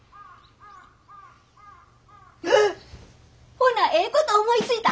あっほなええこと思いついた！